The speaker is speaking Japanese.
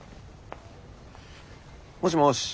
もしもし。